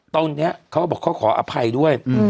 ตอนนี้เขาขออภัยด้วย